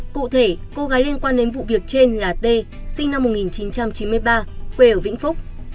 cụ thể cô gái liên quan đến vụ việc trên là t sinh năm một nghìn chín trăm chín mươi ba quê ở vĩnh phúc